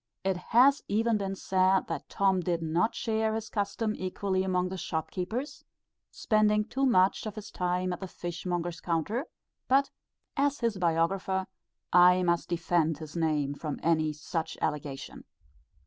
It has even been said, that Tom did not share his custom equally among the shop keepers, spending too much of his time at the fish monger's counter; but, as his biographer, I must defend his name from any such allegation.